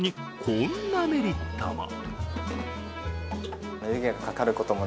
こんなメリットも。